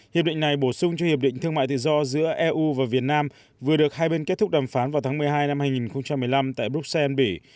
hiệp định này bổ sung cho hiệp định thương mại tự do giữa eu và việt nam vừa được hai bên kết thúc đàm phán vào tháng một mươi hai năm hai nghìn một mươi năm tại bruxelles bỉ